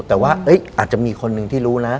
แต่ว่าอาจจะมีคนหนึ่งที่รู้นะ